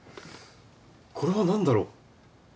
これはなんだろう？